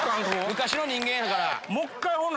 昔の人間やから。